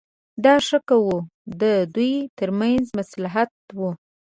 دا ښه کوه د دوی ترمنځ مصلحت و.